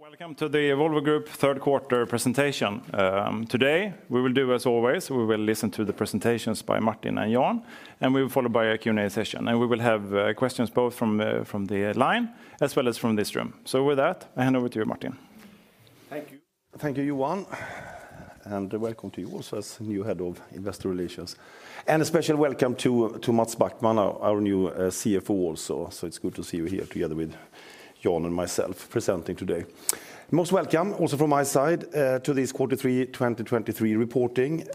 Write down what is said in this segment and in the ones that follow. Welcome to the Volvo Group third quarter presentation. Today, we will do as always, we will listen to the presentations by Martin and Jan, and we will follow by a Q&A session. We will have questions both from the line as well as from this room. With that, I hand over to you, Martin. Thank you. Thank you, Johan, and welcome to you also as new head of Investor Relations. A special welcome to Mats Backman, our new CFO also. It's good to see you here together with Jan and myself presenting today. Most welcome, also from my side, to this Q3 2023 reporting.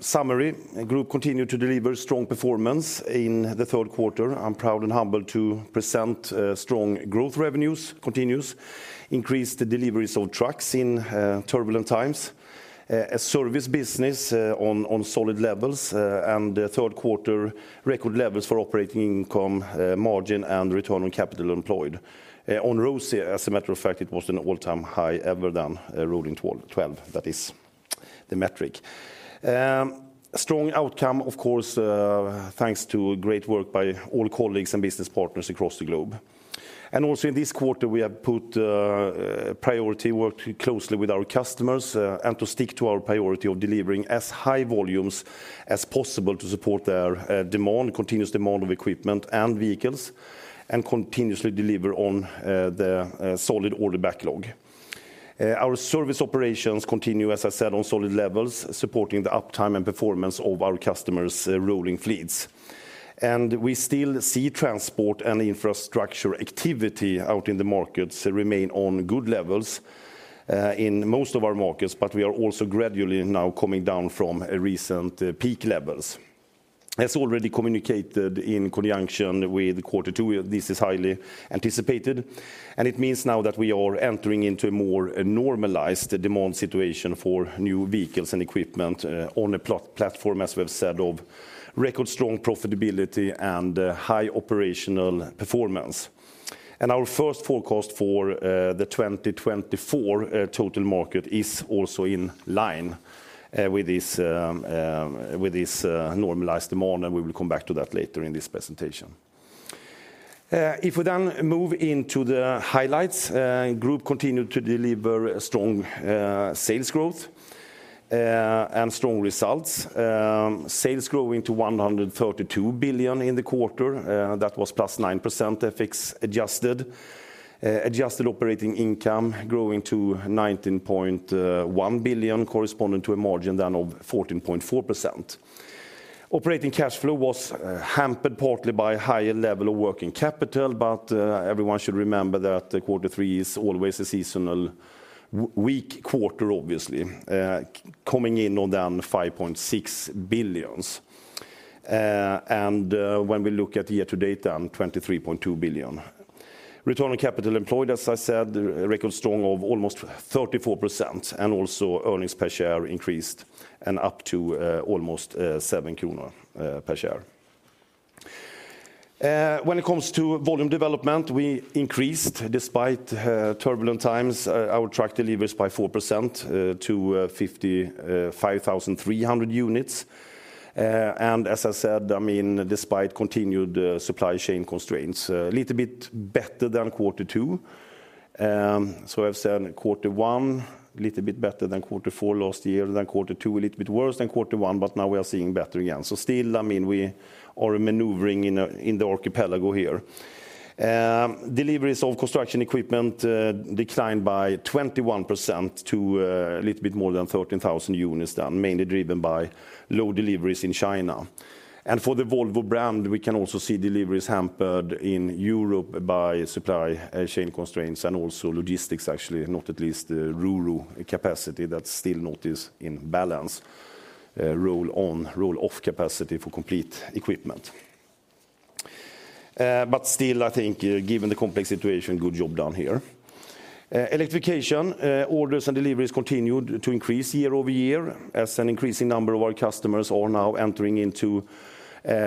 Summary, the group continued to deliver strong performance in the third quarter. I'm proud and humbled to present strong growth revenues, continues, increased deliveries of trucks in turbulent times, a service business on solid levels, and third quarter record levels for operating income, margin, and return on capital employed. ROCE rose, as a matter of fact, it was an all-time high ever done, rolling twelve, twelve. That is the metric. Strong outcome, of course, thanks to great work by all colleagues and business partners across the globe. And also in this quarter, we have put priority work closely with our customers, and to stick to our priority of delivering as high volumes as possible to support their demand, continuous demand of equipment and vehicles, and continuously deliver on the solid order backlog. Our service operations continue, as I said, on solid levels, supporting the uptime and performance of our customers' rolling fleets. And we still see transport and infrastructure activity out in the markets remain on good levels in most of our markets, but we are also gradually now coming down from a recent peak levels. As already communicated in conjunction with quarter two, this is highly anticipated, and it means now that we are entering into a more normalized demand situation for new vehicles and equipment, on a platform, as we have said, of record strong profitability and high operational performance. Our first forecast for the 2024 total market is also in line with this normalized demand, and we will come back to that later in this presentation. If we then move into the highlights, Group continued to deliver strong sales growth and strong results. Sales growing to 132 billion in the quarter, that was +9%, FX adjusted. Adjusted operating income growing to 19.1 billion, corresponding to a margin then of 14.4%. Operating cash flow was hampered partly by higher level of working capital, but everyone should remember that quarter three is always a seasonal weak quarter, obviously, coming in down 5.6 billion. And when we look at year-to-date, down 23.2 billion. Return on capital employed, as I said, a record strong of almost 34%, and also earnings per share increased and up to almost 7 kronor per share. When it comes to volume development, we increased, despite turbulent times, our truck deliveries by 4% to 55,300 units. And as I said, I mean, despite continued supply chain constraints, a little bit better than quarter two. So I've said quarter one, a little bit better than quarter four last year, then quarter two, a little bit worse than quarter one, but now we are seeing better again. So still, I mean, we are maneuvering in the archipelago here. Deliveries of construction equipment declined by 21% to a little bit more than 13,000 units, then mainly driven by low deliveries in China. And for the Volvo brand, we can also see deliveries hampered in Europe by supply chain constraints and also logistics, actually, not at least, ro-ro capacity that still not is in balance, roll-on, roll-off capacity for complete equipment. But still, I think, given the complex situation, good job done here. Electrification, orders and deliveries continued to increase year-over-year, as an increasing number of our customers are now entering into,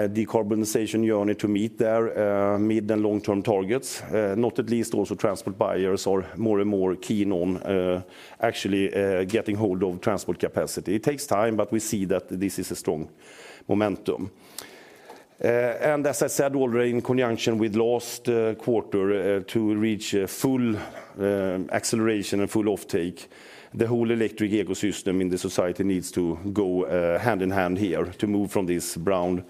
decarbonization journey to meet their, mid- and long-term targets. Not at least also transport buyers are more and more keen on, actually, getting hold of transport capacity. It takes time, but we see that this is a strong momentum. And as I said already, in conjunction with last quarter, to reach a full, acceleration and full offtake, the whole electric ecosystem in the society needs to go, hand in hand here to move from this brown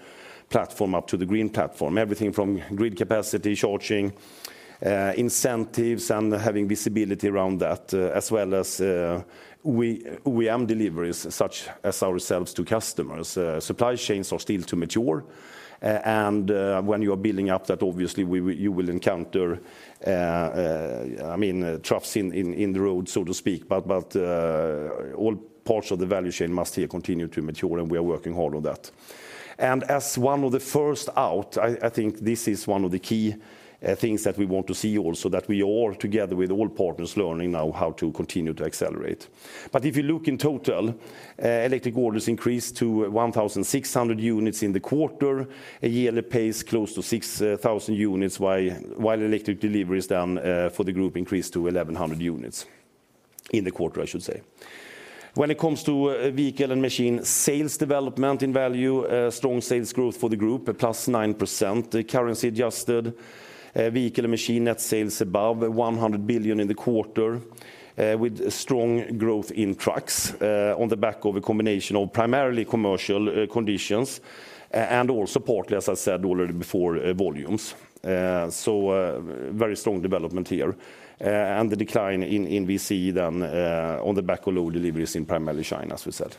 platform up to the green platform. Everything from grid capacity, charging, incentives, and having visibility around that, as well as, we deliveries such as ourselves to customers. Supply chains are still to mature, and when you are building up that, obviously, you will encounter, I mean, troughs in the road, so to speak. But all parts of the value chain must here continue to mature, and we are working hard on that. And as one of the first out, I think this is one of the key things that we want to see also, that we all, together with all partners, learning now how to continue to accelerate. But if you look in total, electric orders increased to 1,600 units in the quarter, a yearly pace close to 6,000 units, while electric deliveries then for the group increased to 1,100 units in the quarter, I should say. When it comes to vehicle and machine sales development in value, strong sales growth for the group, a +9%. The currency adjusted vehicle and machine net sales above 100 billion in the quarter, with strong growth in trucks on the back of a combination of primarily commercial conditions and also partly, as I said already before, volumes. So, very strong development here. And the decline in VC then on the back of low deliveries in primarily China, as we said.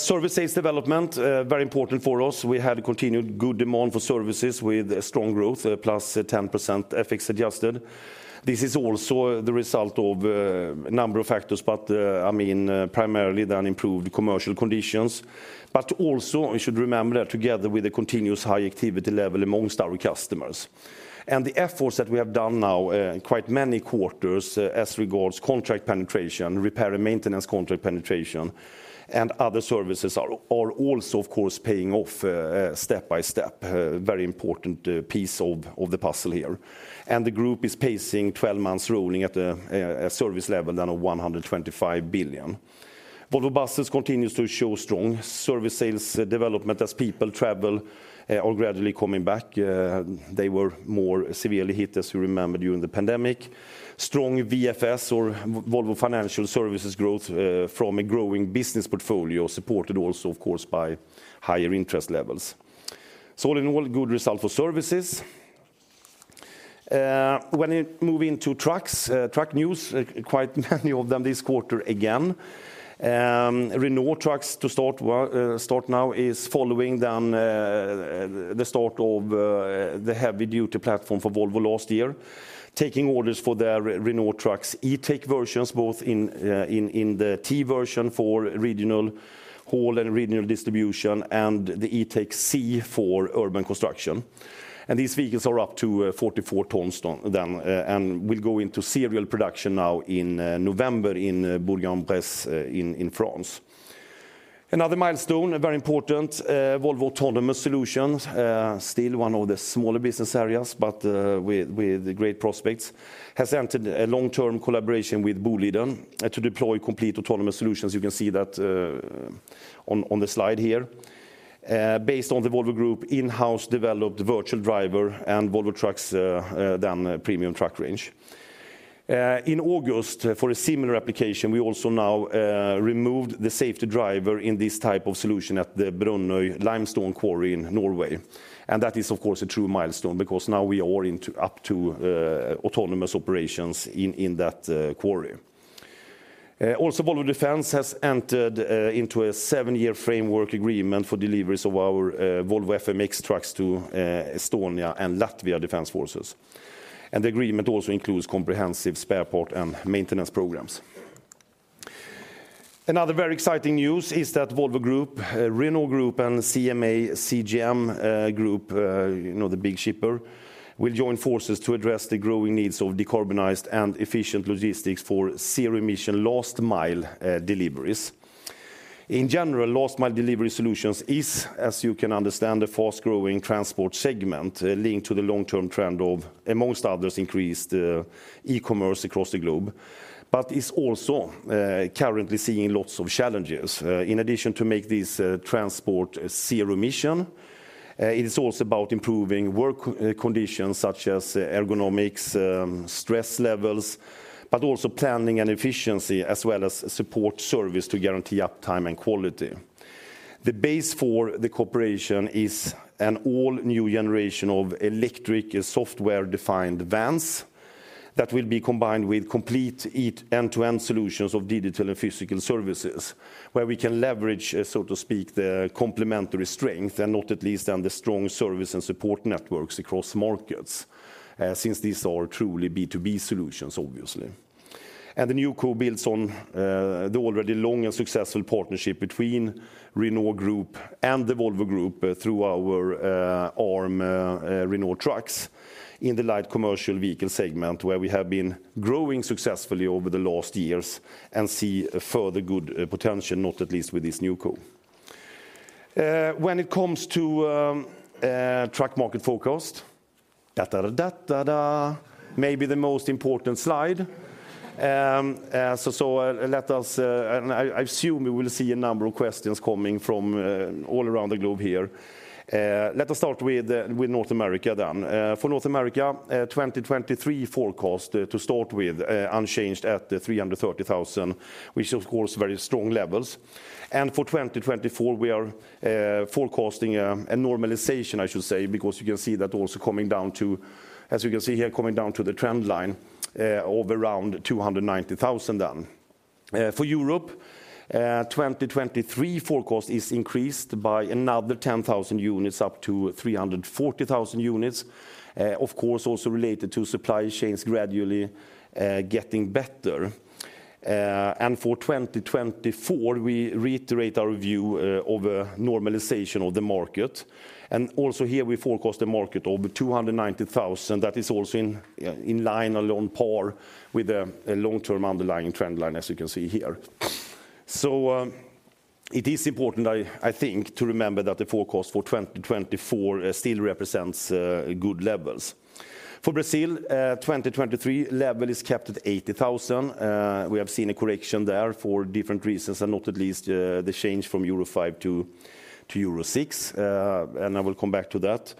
Service sales development, very important for us. We had continued good demand for services with strong growth, +10% FX adjusted. This is also the result of a number of factors, but I mean, primarily then improved commercial conditions. But also, we should remember that together with the continuous high activity level among our customers. And the efforts that we have done now, quite many quarters, as regards contract penetration, repair and maintenance contract penetration, and other services are, are also, of course, paying off, step by step, very important, piece of, of the puzzle here. And the group is pacing twelve months rolling at a, a service level, then of 125 billion. Volvo Buses continues to show strong service sales, development as people travel, are gradually coming back. They were more severely hit, as you remember, during the pandemic. Strong VFS or V- Volvo Financial Services growth, from a growing business portfolio, supported also, of course, by higher interest levels. So all in all, good result for services. When you move into trucks, truck news, quite many of them this quarter, again. Renault Trucks, to start with, is following the start of the heavy-duty platform for Volvo last year, taking orders for their Renault Trucks E-Tech versions, both in the T version for regional haul and regional distribution, and the E-Tech C for urban construction. And these vehicles are up to 44 tons then, and will go into serial production now in November in Bourg-en-Bresse in France. Another milestone, a very important Volvo Autonomous Solutions, still one of the smaller business areas, but with great prospects, has entered a long-term collaboration with Boliden to deploy complete autonomous solutions. You can see that on the slide here. Based on the Volvo Group in-house developed virtual driver and Volvo Trucks then premium truck range. In August, for a similar application, we also now removed the safety driver in this type of solution at the Brønnøy limestone quarry in Norway. And that is, of course, a true milestone, because now we are into up to autonomous operations in, in that quarry. Also, Volvo Defense has entered into a seven-year framework agreement for deliveries of our Volvo FMX trucks to Estonia and Latvia defense forces. And the agreement also includes comprehensive spare part and maintenance programs. Another very exciting news is that Volvo Group, Renault Group, and CMA CGM group, you know, the big shipper, will join forces to address the growing needs of decarbonized and efficient logistics for zero-emission last mile deliveries. In general, last mile delivery solutions is, as you can understand, a fast-growing transport segment, linked to the long-term trend of, among others, increased e-commerce across the globe, but is also currently seeing lots of challenges. In addition to make this transport zero emission, it is also about improving work conditions such as ergonomics, stress levels, but also planning and efficiency, as well as support service to guarantee uptime and quality. The base for the cooperation is an all-new generation of electric and software-defined vans that will be combined with complete end-to-end solutions of digital and physical services, where we can leverage, so to speak, the complementary strength, and not at least then the strong service and support networks across markets, since these are truly B2B solutions, obviously. The new co builds on the already long and successful partnership between Renault Group and the Volvo Group through our arm, Renault Trucks in the light commercial vehicle segment, where we have been growing successfully over the last years and see a further good potential, not at least with this new co. When it comes to truck market forecast, maybe the most important slide. So let us, and I assume we will see a number of questions coming from all around the globe here. Let us start with North America then. For North America, 2023 forecast, to start with, unchanged at 330,000, which of course very strong levels. For 2024, we are forecasting a normalization, I should say, because you can see that also coming down to, as you can see here, coming down to the trend line of around 290,000 then. For Europe, 2023 forecast is increased by another 10,000 units, up to 340,000 units, of course, also related to supply chains gradually getting better. For 2024, we reiterate our view of a normalization of the market. And also here, we forecast the market of 290,000. That is also in line or on par with a long-term underlying trend line, as you can see here. It is important, I think, to remember that the forecast for 2024 still represents good levels. For Brazil, 2023 level is kept at 80,000. We have seen a correction there for different reasons, and not least, the change from Euro 5 to Euro 6, and I will come back to that.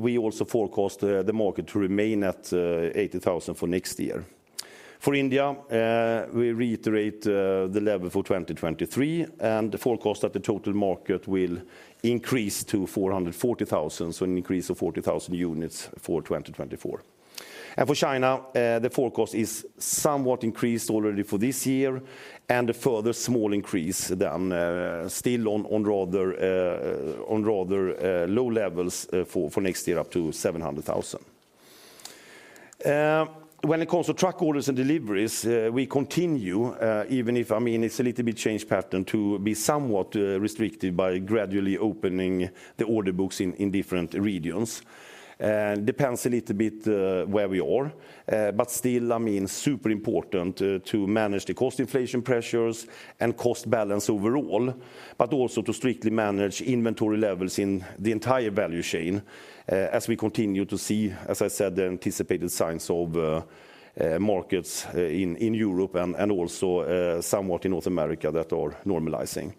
We also forecast the market to remain at 80,000 for next year. For India, we reiterate the level for 2023, and the forecast that the total market will increase to 440,000, so an increase of 40,000 units for 2024. For China, the forecast is somewhat increased already for this year, and a further small increase than still on rather low levels for next year, up to 700,000. When it comes to truck orders and deliveries, we continue, even if, I mean, it's a little bit changed pattern, to be somewhat restricted by gradually opening the order books in different regions. Depends a little bit where we are, but still, I mean, super important to manage the cost inflation pressures and cost balance overall, but also to strictly manage inventory levels in the entire value chain, as we continue to see, as I said, the anticipated signs of markets in Europe and also somewhat in North America that are normalizing.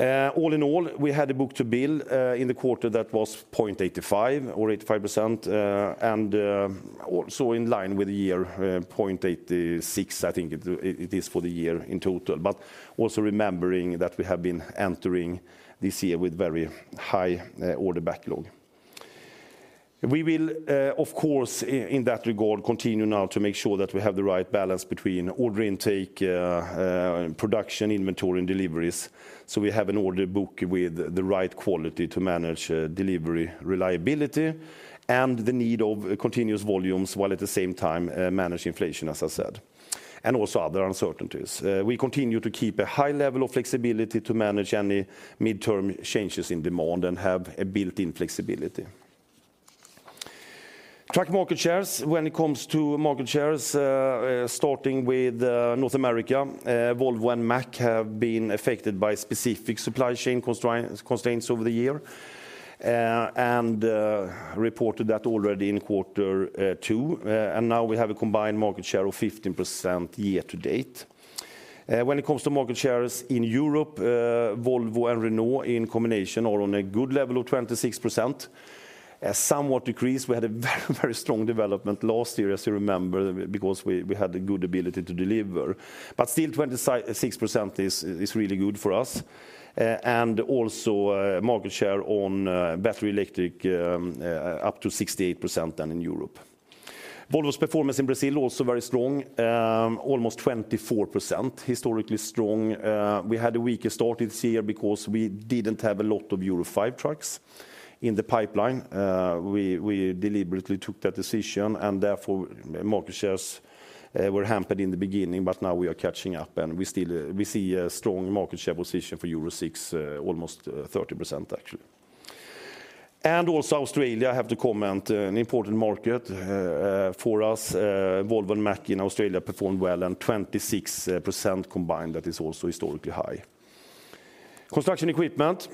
All in all, we had a book-to-bill in the quarter that was 0.85 or 85%, and also in line with the year, 0.86, I think it is for the year in total, but also remembering that we have been entering this year with very high order backlog. We will, of course, in that regard, continue now to make sure that we have the right balance between order intake, production, inventory, and deliveries, so we have an order book with the right quality to manage delivery reliability and the need of continuous volumes, while at the same time, manage inflation, as I said, and also other uncertainties. We continue to keep a high level of flexibility to manage any midterm changes in demand and have a built-in flexibility. Truck market shares. When it comes to market shares, starting with North America, Volvo and Mack have been affected by specific supply chain constraints over the year, and reported that already in quarter two. And now we have a combined market share of 15% year to date. When it comes to market shares in Europe, Volvo and Renault, in combination, are on a good level of 26%. Somewhat decreased, we had a very, very strong development last year, as you remember, because we had a good ability to deliver. But still, 26% is really good for us. And also, market share on battery electric up to 68% then in Europe. Volvo's performance in Brazil, also very strong, almost 24%, historically strong. We had a weaker start this year because we didn't have a lot of Euro 5 trucks in the pipeline. We deliberately took that decision, and therefore, market shares were hampered in the beginning, but now we are catching up, and we still see a strong market share position for Euro 6, almost 30%, actually. Also Australia, I have to comment, an important market for us. Volvo and Mack in Australia performed well and 26% combined. That is also historically high. Construction equipment,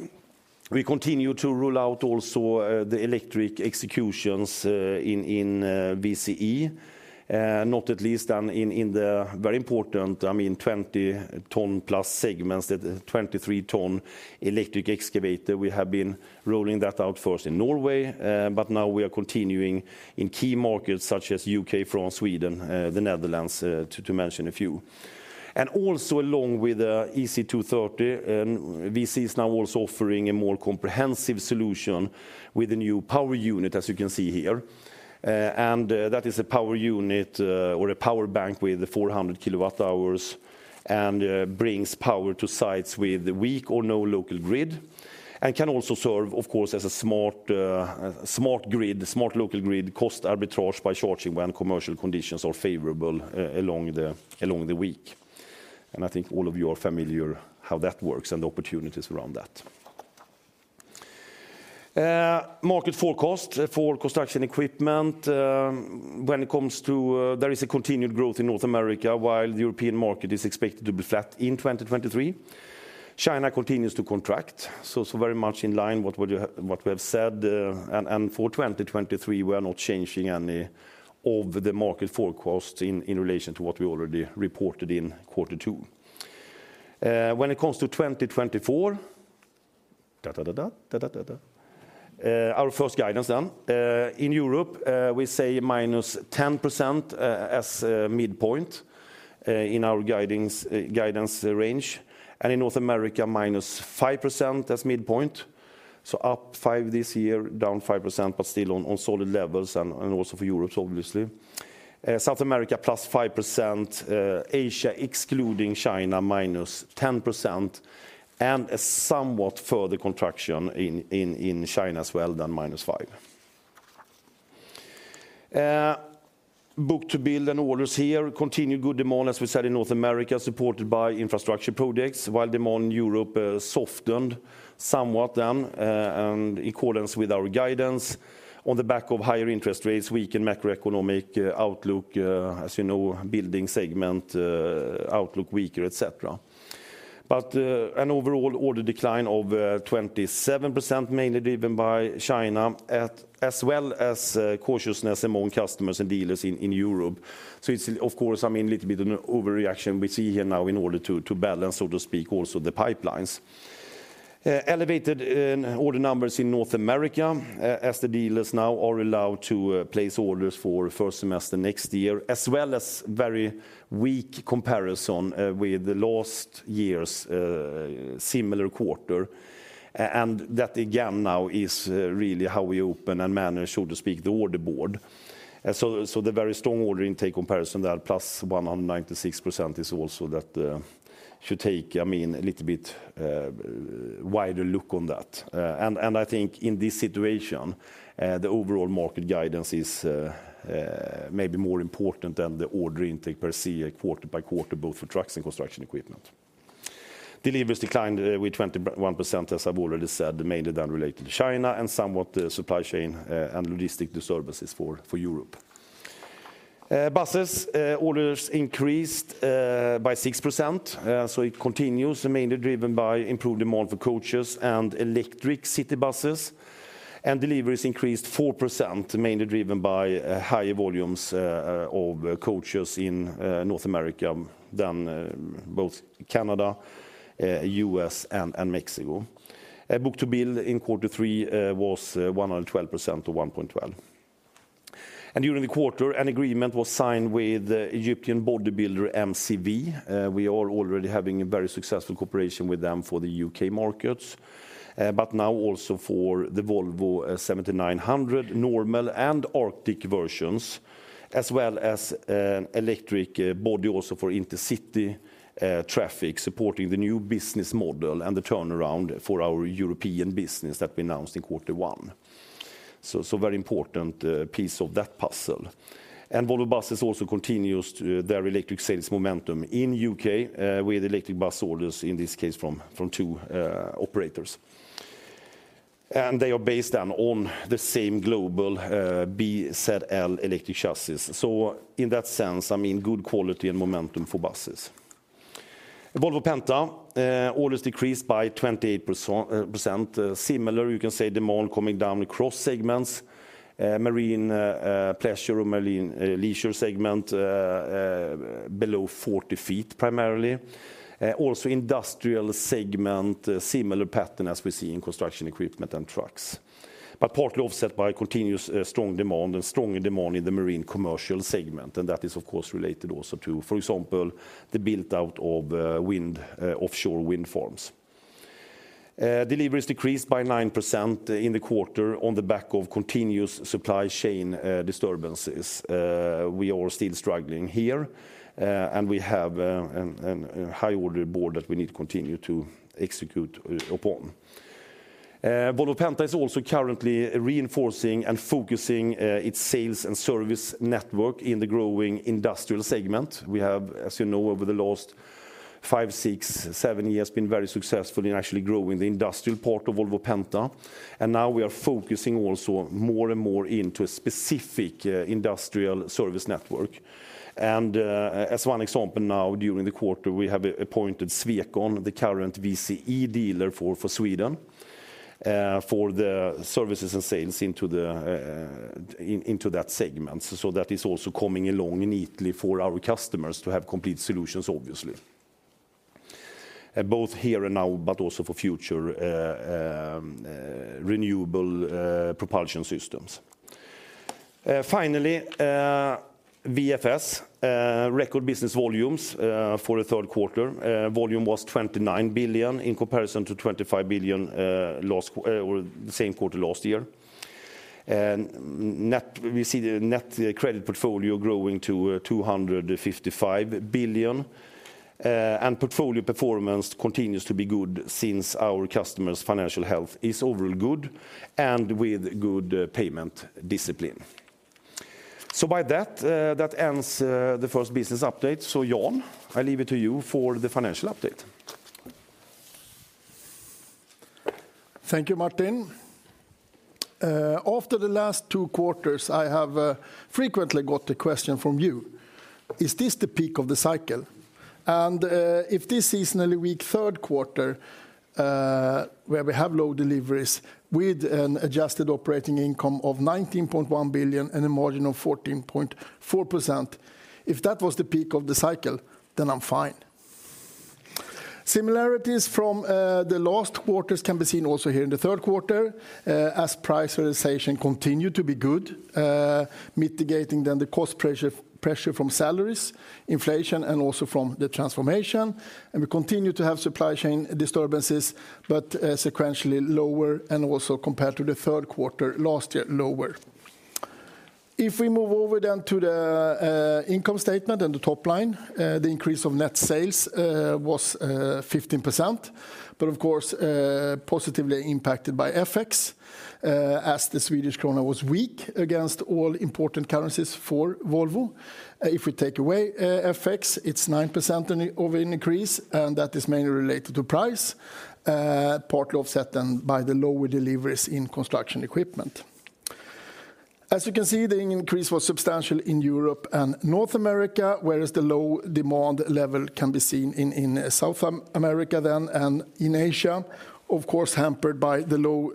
we continue to roll out also the electric executions in VCE, not at least than in the very important, I mean, 20 ton-plus segments, that 23 ton electric excavator. We have been rolling that out first in Norway, but now we are continuing in key markets such as U.K., France, Sweden, the Netherlands, to mention a few. And also, along with EC230, VCE is now also offering a more comprehensive solution with a new power unit, as you can see here. And that is a power unit, or a power bank with 400 kWh, and brings power to sites with a weak or no local grid, and can also serve, of course, as a smart, smart grid, smart local grid, cost arbitrage by charging when commercial conditions are favorable, along the week. And I think all of you are familiar how that works and the opportunities around that. Market forecast for construction equipment, when it comes to, there is a continued growth in North America, while the European market is expected to be flat in 2023. China continues to contract, so very much in line with what we have said, and for 2023, we are not changing any of the market forecast in relation to what we already reported in quarter two. When it comes to 2024, our first guidance then. In Europe, we say -10% as midpoint in our guidance range, and in North America, -5% as midpoint. So up 5% this year, down 5%, but still on solid levels, and also for Europe, obviously. South America, +5%. Asia, excluding China, -10%, and a somewhat further contraction in China as well, than -5%. Book-to-bill and orders here continue good demand, as we said, in North America, supported by infrastructure projects, while demand in Europe, softened somewhat then, and in accordance with our guidance on the back of higher interest rates, weakened macroeconomic, outlook, as you know, building segment, outlook weaker, et cetera. But, an overall order decline of, 27%, mainly driven by China, as well as, cautiousness among customers and dealers in Europe. So it's, of course, I mean, a little bit of an overreaction we see here now in order to balance, so to speak, also the pipelines. Elevated order numbers in North America, as the dealers now are allowed to place orders for first semester next year, as well as very weak comparison with the last year's similar quarter. And that, again, now is really how we open and manage, so to speak, the order board. So, the very strong order intake comparison there, plus 196%, is also that should take, I mean, a little bit wider look on that. And I think in this situation, the overall market guidance is maybe more important than the order intake per se, quarter by quarter, both for trucks and construction equipment. Deliveries declined with 21%, as I've already said, mainly then related to China, and somewhat the supply chain and logistic disturbances for Europe. Buses orders increased by 6%. So it continues, mainly driven by improved demand for coaches and electric city buses. Deliveries increased 4%, mainly driven by higher volumes of coaches in North America than both Canada, US, and Mexico. Book-to-bill in quarter three was 112%, or 1.12. During the quarter, an agreement was signed with Egyptian bodybuilder MCV. We are already having a very successful cooperation with them for the UK markets, but now also for the Volvo 7900 normal and articulated versions, as well as electric body also for intercity traffic, supporting the new business model and the turnaround for our European business that we announced in quarter one. So very important piece of that puzzle. And Volvo Buses also continues their electric sales momentum in UK with electric bus orders, in this case, from two operators. And they are based on the same global BZL electric chassis. So in that sense, I mean, good quality and momentum for buses. Volvo Penta orders decreased by 28%. Similar, you can say, demand coming down across segments, marine, pleasure or marine, leisure segment, below 40 feet, primarily. Also industrial segment, a similar pattern as we see in construction equipment and trucks. But partly offset by continuous, strong demand and strong demand in the marine commercial segment, and that is, of course, related also to, for example, the build-out of, wind, offshore wind farms. Deliveries decreased by 9% in the quarter on the back of continuous supply chain disturbances. We are still struggling here, and we have a high order book that we need to continue to execute upon. Volvo Penta is also currently reinforcing and focusing its sales and service network in the growing industrial segment. We have, as you know, over the last five, six, seven years, been very successful in actually growing the industrial part of Volvo Penta, and now we are focusing also more and more into a specific, industrial service network. As one example now, during the quarter, we have appointed Swecon, the current VCE dealer for Sweden, for the services and sales into the, in, into that segment. So that is also coming along neatly for our customers to have complete solutions, obviously. Both here and now, but also for future, renewable, propulsion systems. Finally, VFS, record business volumes, for the third quarter. Volume was 29 billion in comparison to 25 billion, last quarter or the same quarter last year. We see the net credit portfolio growing to 255 billion. Portfolio performance continues to be good since our customers' financial health is overall good, and with good payment discipline. So by that, that ends the first business update. So Jan, I leave it to you for the financial update. Thank you, Martin. After the last two quarters, I have frequently got the question from you, "Is this the peak of the cycle?" If this seasonally weak third quarter, where we have low deliveries with an adjusted operating income of 19.1 billion and a margin of 14.4%, if that was the peak of the cycle, then I'm fine. Similarities from the last quarters can be seen also here in the third quarter, as price realization continued to be good, mitigating then the cost pressure, pressure from salaries, inflation, and also from the transformation. We continue to have supply chain disturbances, but sequentially lower, and also compared to the third quarter last year, lower. If we move over then to the income statement and the top line, the increase of net sales was 15%. But of course, positively impacted by FX, as the Swedish krona was weak against all important currencies for Volvo. If we take away FX, it's 9% increase, and that is mainly related to price, partly offset then by the lower deliveries in construction equipment. As you can see, the increase was substantial in Europe and North America, whereas the low demand level can be seen in South America then, and in Asia, of course, hampered by the low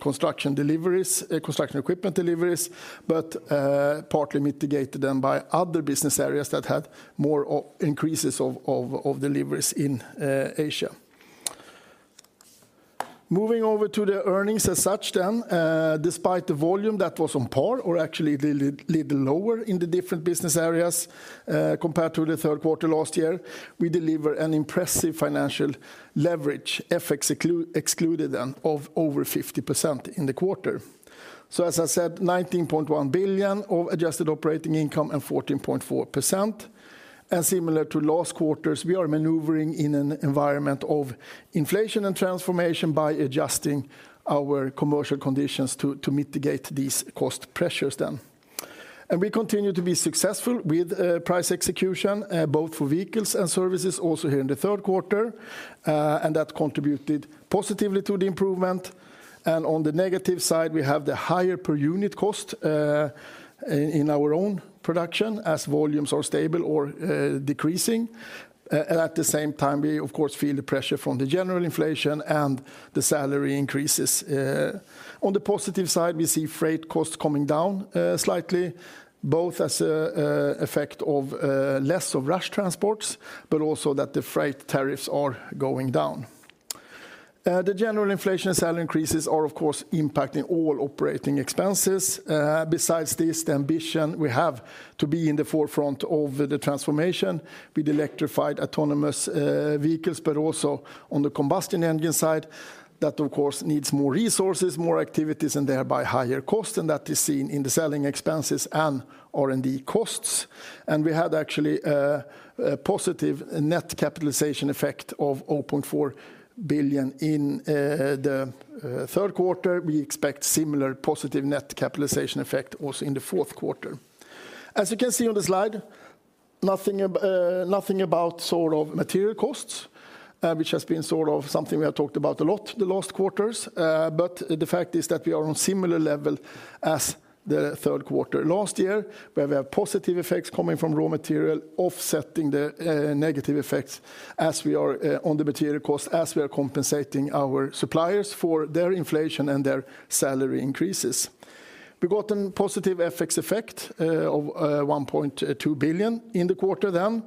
construction deliveries, construction equipment deliveries, but partly mitigated then by other business areas that had more increases of deliveries in Asia. Moving over to the earnings as such then, despite the volume that was on par or actually a little, little lower in the different business areas, compared to the third quarter last year, we deliver an impressive financial leverage, FX excluded then, of over 50% in the quarter. So as I said, 19.1 billion of adjusted operating income and 14.4%. And similar to last quarters, we are maneuvering in an environment of inflation and transformation by adjusting our commercial conditions to mitigate these cost pressures then. And we continue to be successful with price execution, both for vehicles and services, also here in the third quarter, and that contributed positively to the improvement. On the negative side, we have the higher per unit cost in our own production as volumes are stable or decreasing. And at the same time, we of course feel the pressure from the general inflation and the salary increases. On the positive side, we see freight costs coming down slightly, both as a effect of less of rush transports, but also that the freight tariffs are going down. The general inflation and salary increases are, of course, impacting all operating expenses. Besides this, the ambition we have to be in the forefront of the transformation with electrified, autonomous vehicles, but also on the combustion engine side, that of course needs more resources, more activities, and thereby higher cost, and that is seen in the selling expenses and R&D costs. We had actually a positive net capitalization effect of 0.4 billion in the third quarter. We expect similar positive net capitalization effect also in the fourth quarter. As you can see on the slide, nothing about sort of material costs, which has been sort of something we have talked about a lot the last quarters. The fact is that we are on similar level as the third quarter last year, where we have positive effects coming from raw material, offsetting the negative effects as we are on the material cost, as we are compensating our suppliers for their inflation and their salary increases. We've gotten positive FX effect of 1.2 billion in the quarter then,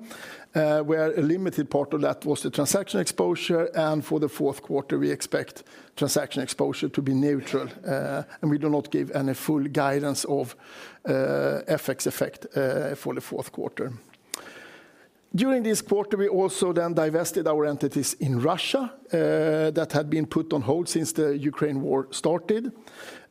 where a limited part of that was the transaction exposure, and for the fourth quarter, we expect transaction exposure to be neutral, and we do not give any full guidance of FX effect for the fourth quarter. During this quarter, we also then divested our entities in Russia that had been put on hold since the Ukraine war started,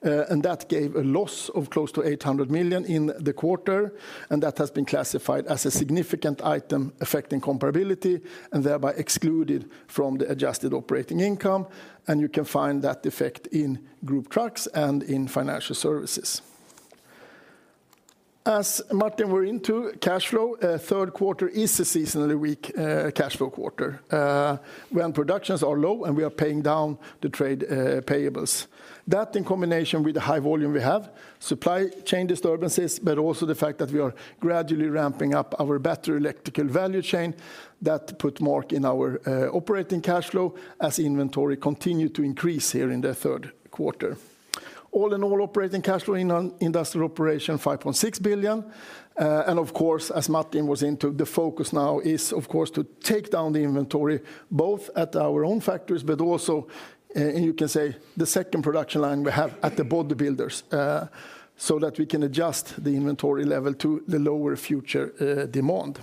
and that gave a loss of close to 800 million in the quarter, and that has been classified as a significant item affecting comparability and thereby excluded from the adjusted operating income, and you can find that effect in Group Trucks and in Financial Services. As Martin went into, cash flow, third quarter is a seasonally weak cash flow quarter when productions are low, and we are paying down the trade payables. That, in combination with the high volume we have, supply chain disturbances, but also the fact that we are gradually ramping up our battery electric value chain, that puts a mark on our operating cash flow as inventory continued to increase here in the third quarter. All in all, operating cash flow in industrial operations 5.6 billion, and of course, as Martin went into, the focus now is, of course, to take down the inventory, both at our own factories, but also, and you can say, the second production line we have at the body builders, so that we can adjust the inventory level to the lower future demand.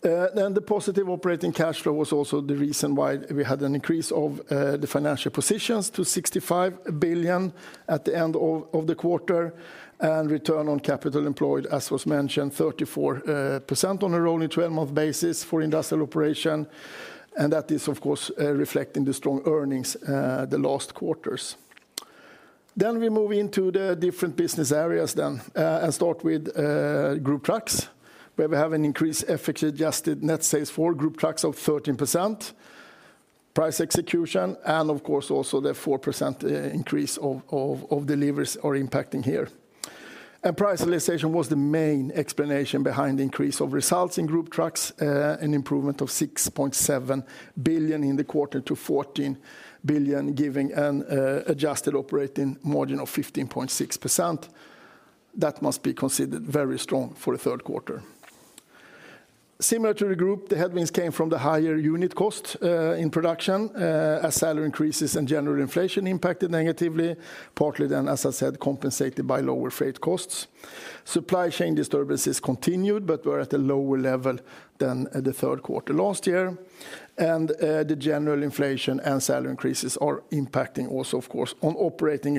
Then the positive operating cash flow was also the reason why we had an increase of the financial positions to 65 billion at the end of the quarter, and return on capital employed, as was mentioned, 34% on a rolling twelve-month basis for industrial operation, and that is, of course, reflecting the strong earnings the last quarters. Then we move into the different business areas, and start with group trucks, where we have an increased FX-adjusted net sales for group trucks of 13%, price execution, and of course, also the 4% increase of deliveries are impacting here. Price realization was the main explanation behind the increase of results in group trucks, an improvement of 6.7 billion in the quarter to 14 billion, giving an adjusted operating margin of 15.6%. That must be considered very strong for the third quarter. Similar to the group, the headwinds came from the higher unit cost in production, as salary increases and general inflation impacted negatively, partly then, as I said, compensated by lower freight costs. Supply chain disturbances continued, but were at a lower level than the third quarter last year. The general inflation and salary increases are impacting also, of course, on operating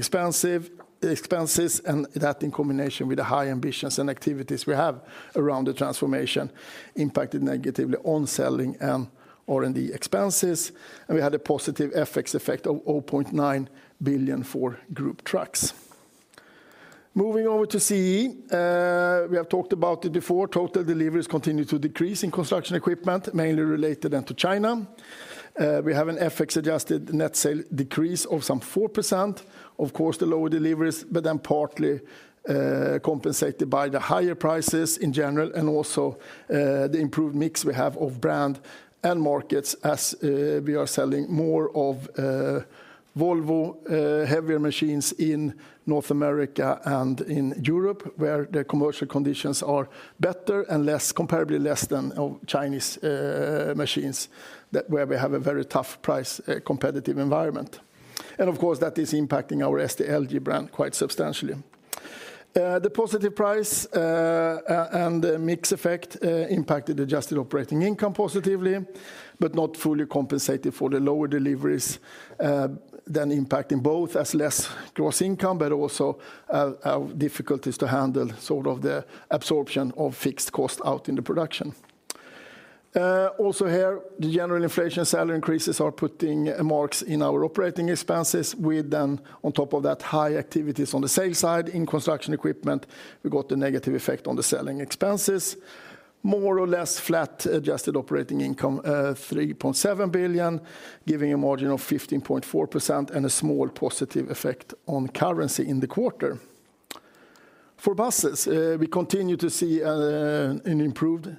expenses, and that, in combination with the high ambitions and activities we have around the transformation, impacted negatively on selling and R&D expenses, and we had a positive FX effect of 0.9 billion for Group Trucks.... Moving over to CE, we have talked about it before. Total deliveries continue to decrease in construction equipment, mainly related then to China. We have an FX-adjusted net sales decrease of some 4%. Of course, the lower deliveries, but then partly compensated by the higher prices in general, and also the improved mix we have of brand and markets as we are selling more of Volvo heavier machines in North America and in Europe, where the commercial conditions are better and less, comparably less than Chinese machines, that where we have a very tough price competitive environment. And of course, that is impacting our SDLG brand quite substantially. The positive price and the mix effect impacted the adjusted operating income positively, but not fully compensated for the lower deliveries, then impacting both as less gross income, but also difficulties to handle sort of the absorption of fixed cost out in the production. Also here, the general inflation salary increases are putting marks in our operating expenses. We then, on top of that, high activities on the sales side. In construction equipment, we got a negative effect on the selling expenses. More or less flat adjusted operating income, 3.7 billion, giving a margin of 15.4% and a small positive effect on currency in the quarter. For buses, we continue to see an improved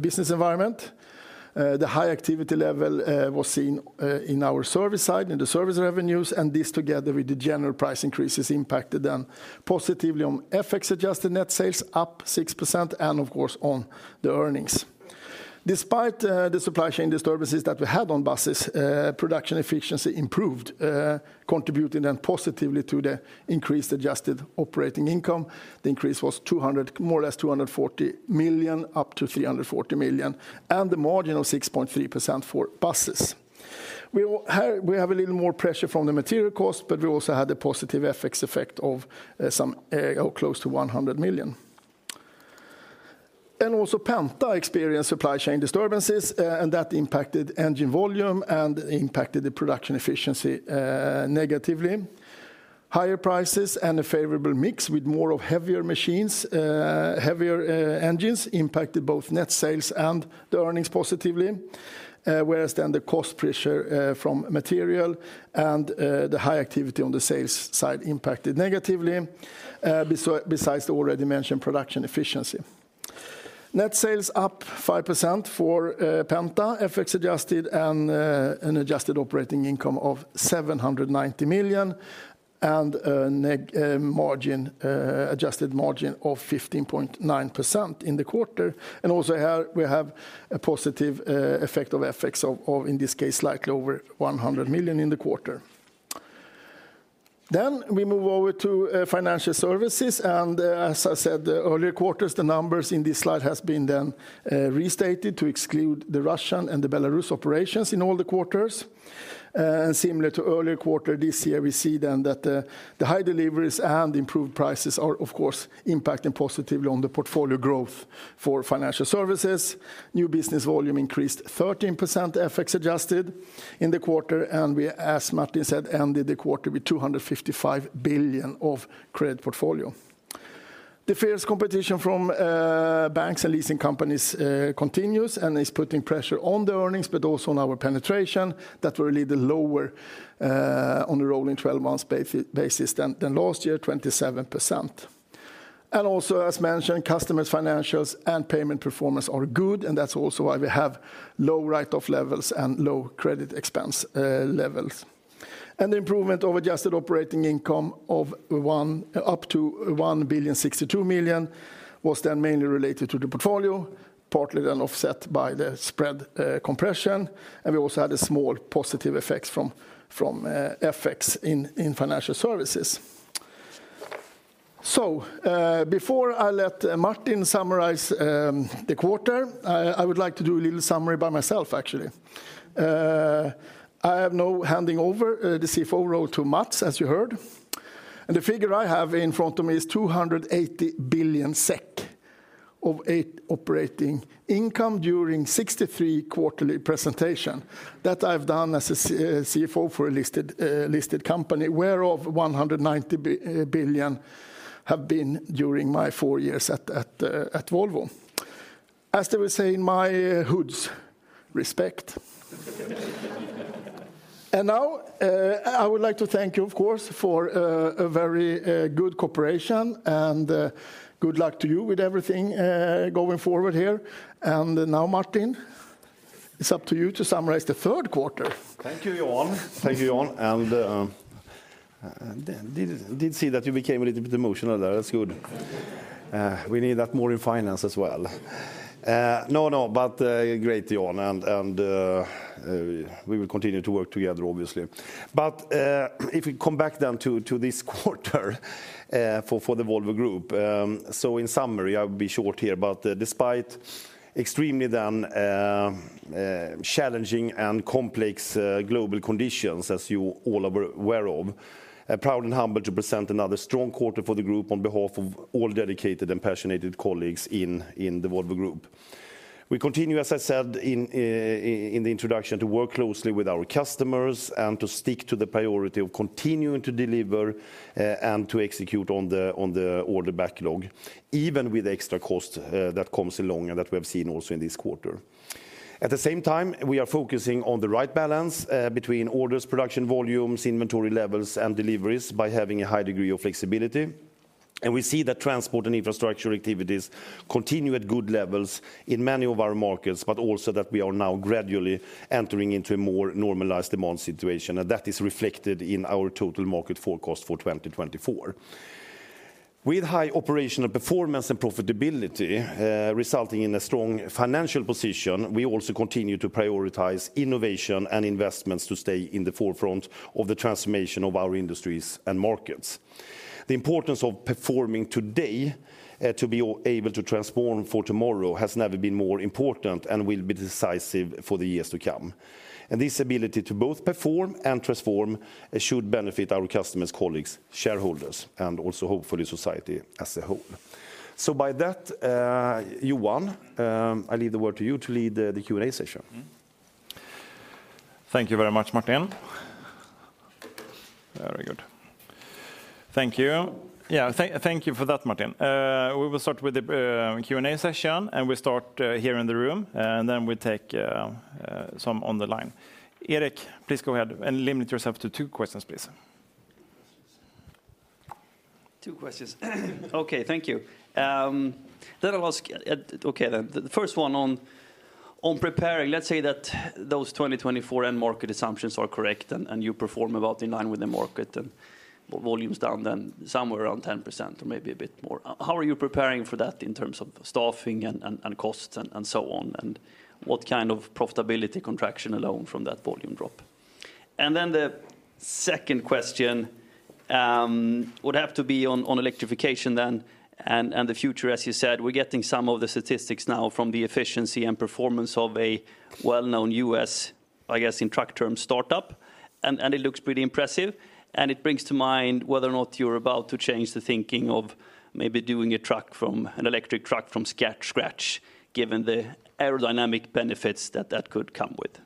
business environment. The high activity level was seen in our service side, in the service revenues, and this together with the general price increases impacted them positively on FX-adjusted net sales, up 6%, and of course, on the earnings. Despite the supply chain disturbances that we had on buses, production efficiency improved, contributing then positively to the increased adjusted operating income. The increase was 200 million, more or less 240 million, up to 340 million, and the margin of 6.3% for buses. Here, we have a little more pressure from the material cost, but we also had a positive FX effect of some close to 100 million. Also Penta experienced supply chain disturbances, and that impacted engine volume and impacted the production efficiency negatively. Higher prices and a favorable mix with more of heavier machines, heavier engines impacted both net sales and the earnings positively, whereas then the cost pressure from material and the high activity on the sales side impacted negatively, besides the already mentioned production efficiency. Net sales up 5% for Penta, FX-adjusted, and an adjusted operating income of 790 million, and an adjusted margin of 15.9% in the quarter. And also here, we have a positive effect of FX of in this case slightly over 100 million in the quarter. Then, we move over to financial services, and as I said, the earlier quarters, the numbers in this slide has been then restated to exclude the Russian and the Belarus operations in all the quarters. Similar to earlier quarter, this year, we see then that the high deliveries and improved prices are, of course, impacting positively on the portfolio growth for financial services. New business volume increased 13%, FX-adjusted, in the quarter, and we, as Martin said, ended the quarter with 255 billion of credit portfolio. The fierce competition from banks and leasing companies continues and is putting pressure on the earnings, but also on our penetration, that were a little lower on the rolling twelve-months basis than last year, 27%. Also, as mentioned, customers' financials and payment performance are good, and that's also why we have low write-off levels and low credit expense levels. And the improvement of adjusted operating income of one, up to 1.062 billion, was then mainly related to the portfolio, partly then offset by the spread compression, and we also had a small positive effects from FX in financial services. Before I let Martin summarize the quarter, I would like to do a little summary by myself, actually. I am now handing over the CFO role to Mats, as you heard. And the figure I have in front of me is 280 billion SEK in operating income during 63 quarterly presentations that I've done as a CFO for a listed company, whereof 190 billion have been during my four years at Volvo. As they would say in my hoods, respect. And now I would like to thank you, of course, for a very good cooperation, and good luck to you with everything going forward here. And now, Martin, it's up to you to summarize the third quarter. Thank you, Johan. Thank you, Johan. And I did see that you became a little bit emotional there. That's good. We need that more in finance as well. No, but great, Johan, and we will continue to work together, obviously. But if we come back then to this quarter for the Volvo Group, so in summary, I'll be short here, but despite extremely then challenging and complex global conditions, as you all are aware of, I'm proud and humbled to present another strong quarter for the group on behalf of all dedicated and passionate colleagues in the Volvo Group. We continue, as I said, in the introduction, to work closely with our customers and to stick to the priority of continuing to deliver, and to execute on the order backlog, even with extra cost that comes along and that we have seen also in this quarter. At the same time, we are focusing on the right balance between orders, production volumes, inventory levels, and deliveries by having a high degree of flexibility. And we see that transport and infrastructure activities continue at good levels in many of our markets, but also that we are now gradually entering into a more normalized demand situation, and that is reflected in our total market forecast for 2024. With high operational performance and profitability, resulting in a strong financial position, we also continue to prioritize innovation and investments to stay in the forefront of the transformation of our industries and markets. The importance of performing today, to be able to transform for tomorrow, has never been more important and will be decisive for the years to come. And this ability to both perform and transform, it should benefit our customers, colleagues, shareholders, and also, hopefully, society as a whole. So by that, Johan, I leave the word to you to lead the Q&A session. Thank you very much, Martin. Very good. Thank you. Yeah, thank you for that, Martin. We will start with the Q&A session, and we start here in the room, and then we take some on the line. Erik, please go ahead and limit yourself to two questions, please. Two questions. Okay, thank you. Let me ask, okay, then. The first one on preparing, let's say that those 2024 end market assumptions are correct, and you perform about in line with the market, and volume is down then somewhere around 10% or maybe a bit more. How are you preparing for that in terms of staffing and costs and so on? And what kind of profitability contraction alone from that volume drop? And then the second question would have to be on electrification then, and the future, as you said, we're getting some of the statistics now from the efficiency and performance of a well-known U.S., I guess, in truck terms, startup, and it looks pretty impressive. It brings to mind whether or not you're about to change the thinking of maybe doing a truck from scratch, an electric truck from scratch, given the aerodynamic benefits that that could come with.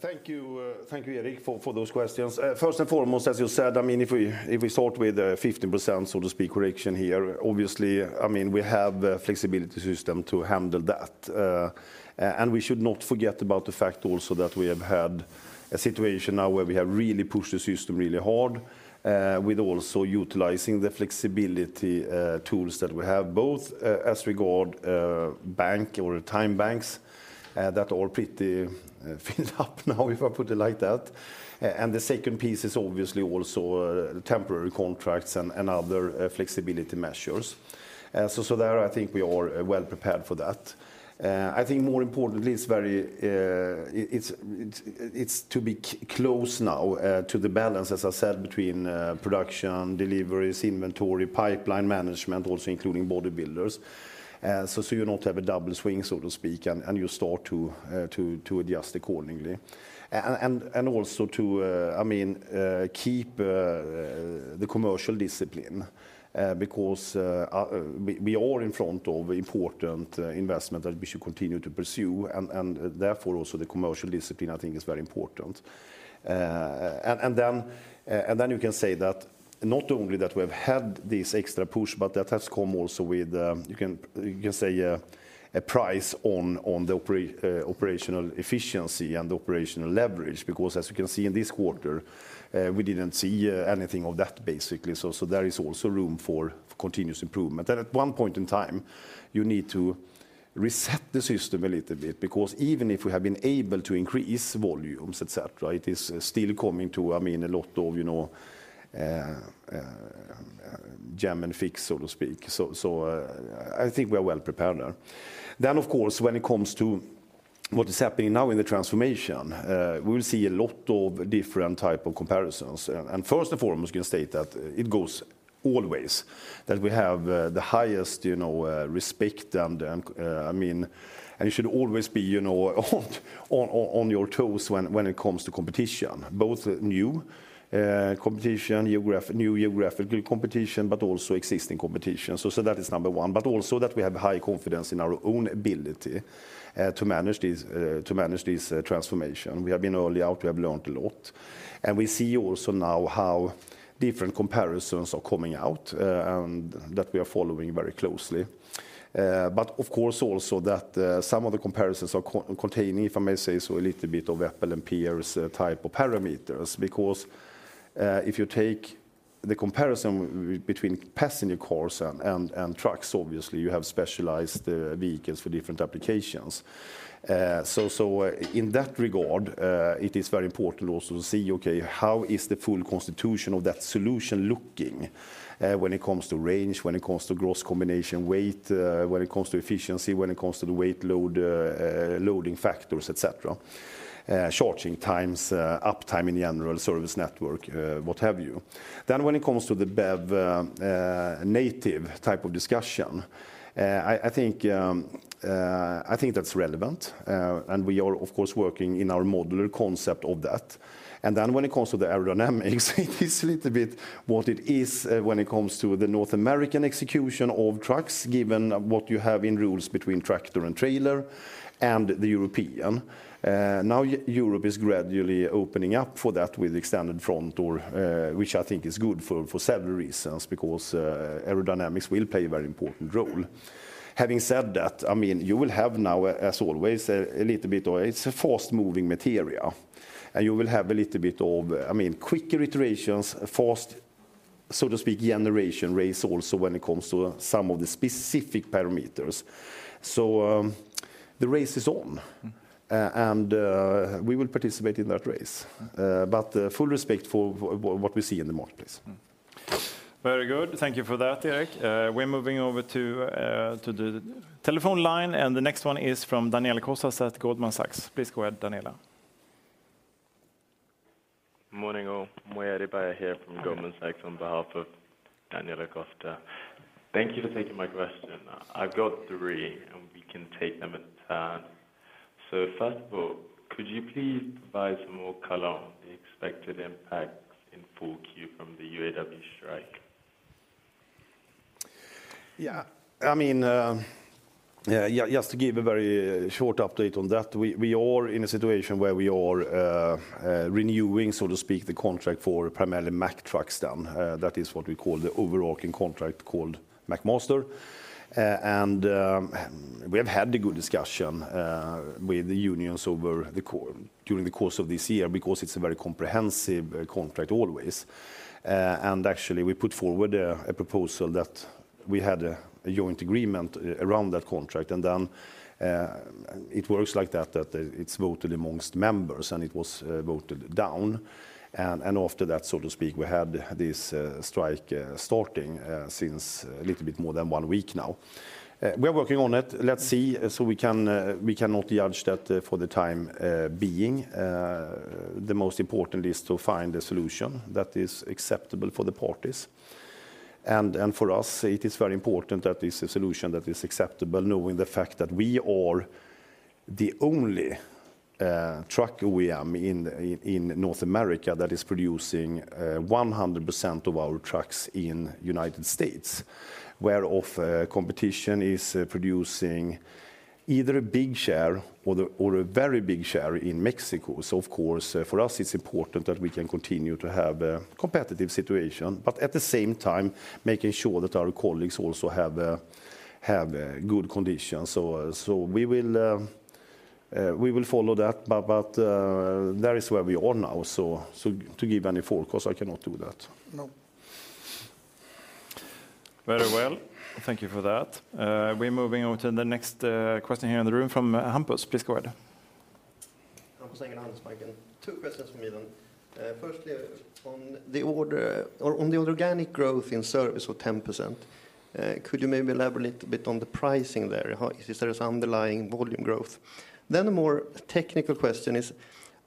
Thank you, thank you, Erik, for those questions. First and foremost, as you said, I mean, if we start with a 50%, so to speak, correction here, obviously, I mean, we have a flexibility system to handle that. And we should not forget about the fact also that we have had a situation now where we have really pushed the system really hard, with also utilizing the flexibility tools that we have, both as regard bank or time banks that are pretty filled up now, if I put it like that. And the second piece is obviously also temporary contracts and other flexibility measures. So there, I think we are well prepared for that. I think more importantly, it's very, it's to be close now, to the balance, as I said, between production, deliveries, inventory, pipeline management, also including body builders. So, you not have a double swing, so to speak, and you start to adjust accordingly. And also to, I mean, keep the commercial discipline, because we are in front of important investment that we should continue to pursue, and therefore, also the commercial discipline, I think, is very important. And then you can say that not only that we have had this extra push, but that has come also with, you can, you can say, a price on, on the operational efficiency and operational leverage, because as you can see in this quarter, we didn't see anything of that, basically. So there is also room for continuous improvement. Then at one point in time, you need to reset the system a little bit, because even if we have been able to increase volumes, et cetera, it is still coming to, I mean, a lot of, you know, jam and fix, so to speak. So, I think we are well prepared there. Then, of course, when it comes to what is happening now in the transformation, we will see a lot of different type of comparisons. And first and foremost, I can state that it goes always that we have the highest, you know, respect, and I mean, and you should always be, you know, on your toes when it comes to competition, both new competition, new geographical competition, but also existing competition. That is number one, but also that we have high confidence in our own ability to manage this, to manage this transformation. We have been early out, we have learned a lot, and we see also now how different comparisons are coming out, and that we are following very closely. But of course, also that some of the comparisons are containing, if I may say so, a little bit of apple and pears type of parameters, because if you take the comparison between passenger cars and trucks, obviously, you have specialized vehicles for different applications. So in that regard, it is very important also to see, okay, how is the full configuration of that solution looking, when it comes to range, when it comes to gross combination weight, when it comes to efficiency, when it comes to the weight load, loading factors, et cetera, charging times, uptime in general, service network, what have you. Then when it comes to the BEV, native type of discussion, I think that's relevant, and we are, of course, working in our modular concept of that. And then when it comes to the aerodynamics, it is a little bit what it is, when it comes to the North American execution of trucks, given what you have in rules between tractor and trailer and the European. Now, Europe is gradually opening up for that with extended front door, which I think is good for several reasons, because aerodynamics will play a very important role. Having said that, I mean, you will have now, as always, a little bit of... It's a fast-moving material, and you will have a little bit of, I mean, quick iterations, fast d-... So to speak, generation race also when it comes to some of the specific parameters. So, the race is on, and we will participate in that race, but full respect for what we see in the marketplace. Very good. Thank you for that, Erik. We're moving over to the telephone line, and the next one is from Daniela Costa at Goldman Sachs. Please go ahead, Daniela. Morning, all. Moy Adebayo here from Goldman Sachs on behalf of Daniela Costa. Thank you for taking my question. I've got three, and we can take them in turn. So first of all, could you please provide some more color on the expected impact in full Q4 from the UAW strike? Yeah, I mean, yeah, just to give a very short update on that, we are in a situation where we are renewing, so to speak, the contract for primarily Mack Trucks then. That is what we call the overarching contract called Mack Master. And we have had a good discussion with the unions over the course of this year, because it's a very comprehensive contract, always. And actually, we put forward a proposal that we had a joint agreement around that contract, and then it works like that, that it's voted amongst members, and it was voted down. And after that, so to speak, we had this strike starting since a little bit more than one week now. We are working on it. Let's see, so we can, we cannot judge that, for the time being. The most important is to find a solution that is acceptable for the parties. And for us, it is very important that it's a solution that is acceptable, knowing the fact that we are the only truck OEM in North America that is producing 100% of our trucks in United States. Whereof, competition is producing either a big share or a very big share in Mexico. So of course, for us, it's important that we can continue to have a competitive situation, but at the same time, making sure that our colleagues also have good conditions. So we will follow that, but that is where we are now. So, to give any forecast, I cannot do that. No. Very well. Thank you for that. We're moving on to the next question here in the room from Hampus. Please go ahead. Hampus Engellau, Handelsbanken. Two questions from me then. Firstly, on the order, or on the organic growth in service of 10%, could you maybe elaborate a little bit on the pricing there? How, is there some underlying volume growth? Then a more technical question is,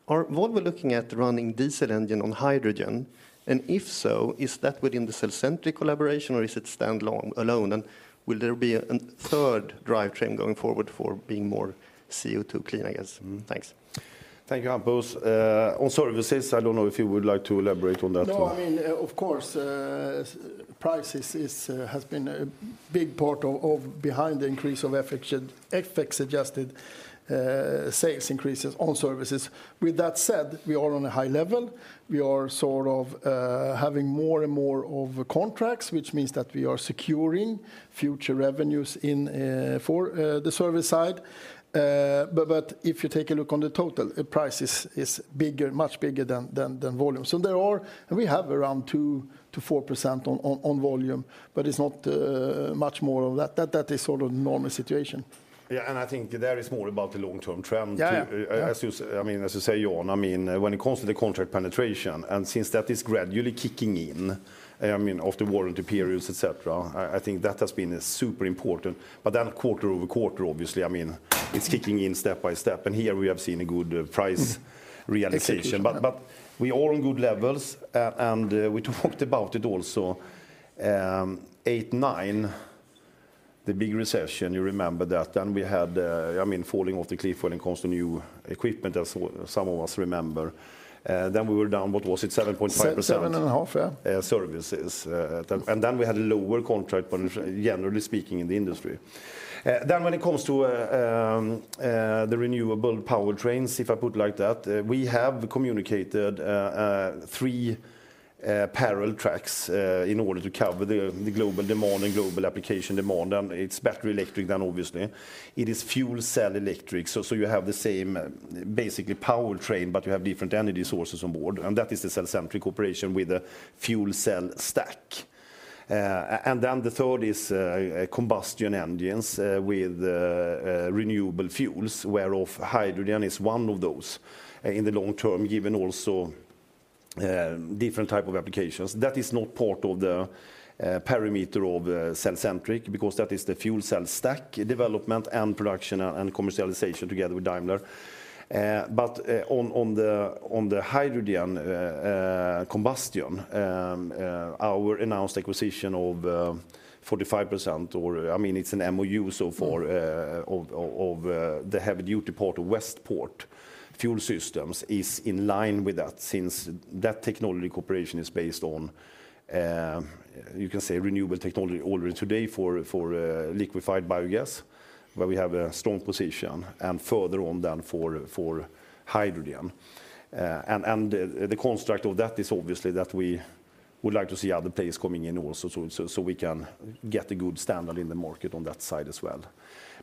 are Volvo looking at running diesel engine on hydrogen? And if so, is that within the cellcentric collaboration, or is it standalone? And will there be a third drivetrain going forward for being more CO2 clean, I guess? Thanks. Thank you, Hampus. On services, I don't know if you would like to elaborate on that one. No, I mean, of course, price is, has been a big part of behind the increase of FX-adjusted sales increases on services. With that said, we are on a high level. We are sort of having more and more of contracts, which means that we are securing future revenues in for the service side. But if you take a look on the total, price is bigger, much bigger than volume. So we have around 2%-4% on volume, but it's not much more of that. That is sort of normal situation. Yeah, and I think that is more about the long-term trend too. Yeah, yeah. As you say, John, I mean, when it comes to the contract penetration, and since that is gradually kicking in, I mean, after warranty periods, et cetera, I think that has been a super important. But then quarter-over-quarter, obviously, I mean, it's kicking in step by step, and here we have seen a good price realization. Exactly. But, but we are on good levels, and, we talked about it also, 2008, 2009, the big recession, you remember that, then we had, I mean, falling off the cliff when it comes to new equipment, as some of us remember. Then we were down, what was it? 7.5%. 7.5, yeah. services. And then we had a lower contract, but generally speaking, in the industry. Then when it comes to the renewable powertrains, if I put it like that, we have communicated three parallel tracks in order to cover the global demand and global application demand, and it's battery electric, then obviously. It is fuel cell electric, so you have the same, basically, powertrain, but you have different energy sources on board, and that is the cellcentric operation with a fuel cell stack. And then the third is combustion engines with renewable fuels, whereof hydrogen is one of those in the long term, given also different type of applications. That is not part of the parameter of cellcentric, because that is the fuel cell stack development and production and commercialization together with Daimler. But on the hydrogen combustion, our announced acquisition of 45%, or, I mean, it's an MOU so far, of the heavy-duty part of Westport Fuel Systems, is in line with that, since that technology cooperation is based on, you can say, renewable technology already today for liquefied biogas, where we have a strong position, and further on, than for hydrogen. And the construct of that is obviously that we would like to see other players coming in also, so we can get a good standard in the market on that side as well.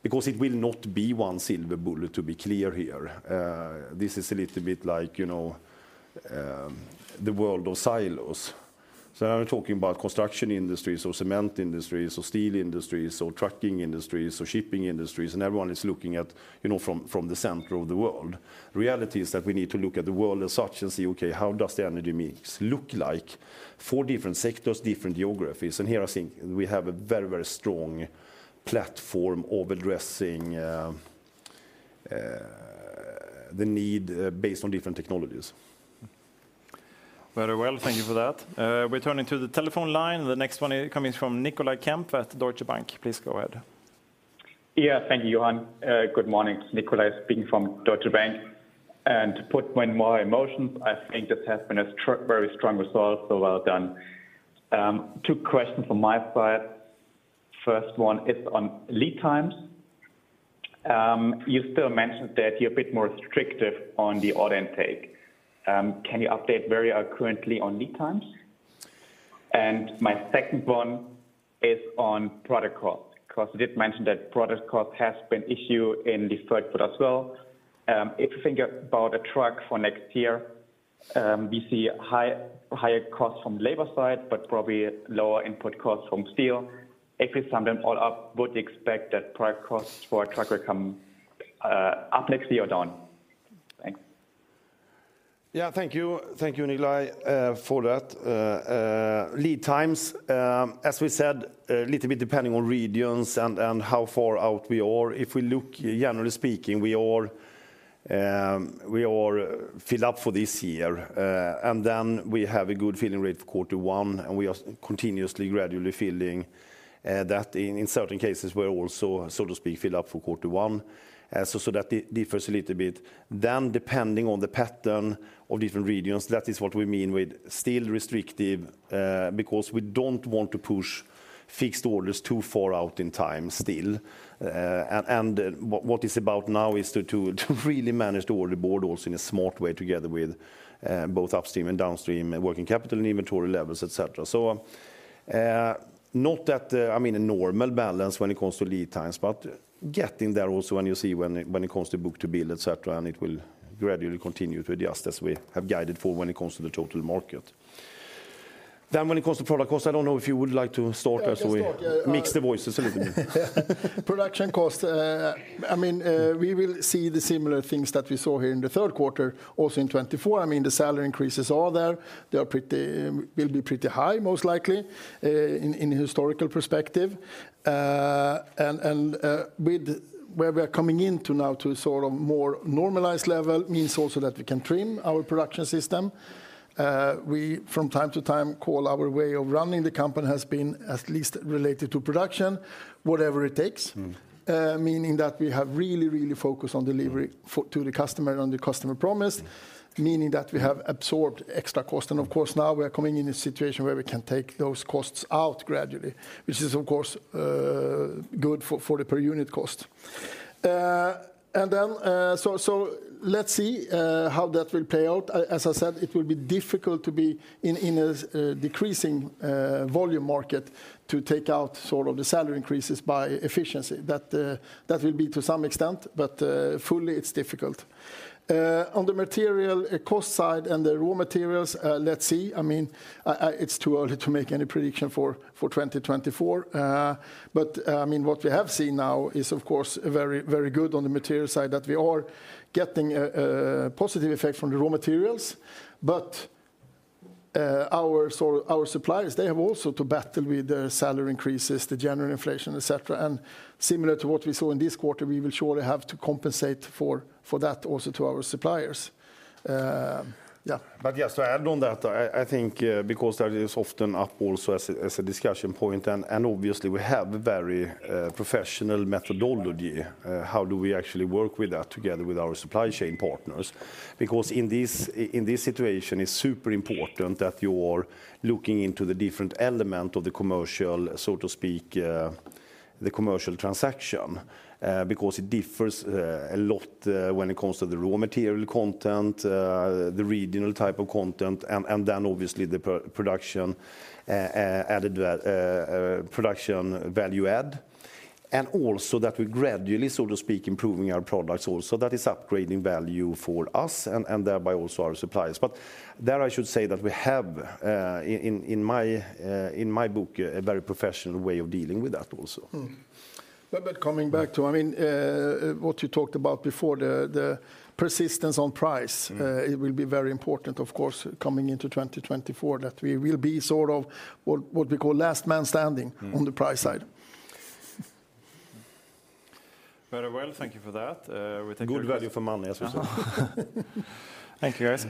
Because it will not be one silver bullet, to be clear here. This is a little bit like, you know, so now we're talking about construction industries, or cement industries, or steel industries, or trucking industries, or shipping industries, and everyone is looking at, you know, from the center of the world. The reality is that we need to look at the world as such and say, "Okay, how does the energy mix look like for different sectors, different geographies?" And here, I think we have a very, very strong platform of addressing the need based on different technologies. Very well, thank you for that. We're turning to the telephone line. The next one is coming from Nicolai Kempf at Deutsche Bank. Please go ahead. Yeah, thank you, Johan. Good morning, it's Nikolai speaking from Deutsche Bank. And to put my emotions, I think this has been a very strong result, so well done. Two questions from my side. First one is on lead times. You still mentioned that you're a bit more restrictive on the order intake. Can you update where you are currently on lead times? And my second one is on product cost, because you did mention that product cost has been an issue in the third quarter as well. If you think about a truck for next year, we see higher costs from labor side, but probably lower input costs from steel. If we sum them all up, would you expect that product costs for a truck will come up next year or down? Thanks. Yeah, thank you. Thank you, Nikolai, for that. Lead times, as we said, a little bit depending on regions and how far out we are. If we look, generally speaking, we are filled up for this year. And then we have a good filling rate for quarter one, and we are continuously, gradually filling that in. In certain cases, we're also, so to speak, filled up for quarter one. So, that it differs a little bit. Then, depending on the pattern of different regions, that is what we mean with still restrictive, because we don't want to push fixed orders too far out in time, still. And what it's about now is to really manage the order board also in a smart way, together with both upstream and downstream, working capital and inventory levels, et cetera. So, not that, I mean, a normal balance when it comes to lead times, but getting there also when it comes to book-to-bill, et cetera, and it will gradually continue to adjust as we have guided for when it comes to the total market. Then when it comes to product cost, I don't know if you would like to start there, so we- I can start, yeah. mix the voices a little bit. Production cost, I mean, we will see the similar things that we saw here in the third quarter, also in 2024. I mean, the salary increases are there. They are pretty, will be pretty high, most likely, in historical perspective. And with where we are coming into now to sort of more normalized level, means also that we can trim our production system. We, from time to time, call our way of running the company has been, at least related to production, whatever it takes. Meaning that we have really, really focused on delivery to the customer and the customer promise meaning that we have absorbed extra cost. And of course, now we are coming in a situation where we can take those costs out gradually, which is, of course, good for the per unit cost. And then, so let's see how that will play out. As I said, it will be difficult to be in a decreasing volume market to take out sort of the salary increases by efficiency. That will be to some extent, but fully, it's difficult. On the material cost side and the raw materials, let's see. I mean, it's too early to make any prediction for 2024. But, I mean, what we have seen now is, of course, very, very good on the material side, that we are getting a positive effect from the raw materials. But, our suppliers, they have also to battle with the salary increases, the general inflation, et cetera. And similar to what we saw in this quarter, we will surely have to compensate for that also to our suppliers. Yeah. But yes, to add on that, I think, because that is often up also as a discussion point, and obviously we have a very professional methodology how do we actually work with that together with our supply chain partners? Because in this situation, it's super important that you are looking into the different element of the commercial, so to speak, the commercial transaction. Because it differs a lot when it comes to the raw material content, the regional type of content, and then obviously, the production added value add. And also that we're gradually, so to speak, improving our products also. That is upgrading value for us, and thereby also our suppliers. But there, I should say that we have, in my book, a very professional way of dealing with that also. But coming back to, I mean, what you talked about before, the persistence on price it will be very important, of course, coming into 2024, that we will be sort of what, what we call last man standingon the price side. Very well, thank you for that. We take your- Good value for money, I should say. Thank you, guys.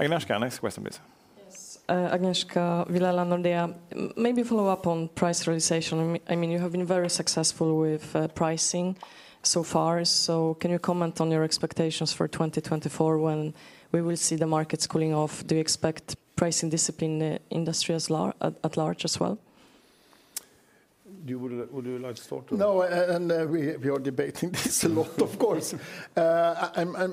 Agnieszka, next question, please. Yes, Agnieszka Vilela, Nordea. Maybe follow up on price realization. I mean, you have been very successful with pricing so far. So can you comment on your expectations for 2024, when we will see the market cooling off? Do you expect pricing discipline, industry at large as well? You would, would you like to start? No, we are debating this a lot, of course.